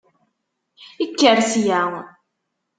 Kker sya!